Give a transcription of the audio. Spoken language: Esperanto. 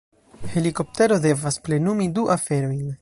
Helikoptero devas plenumi du aferojn.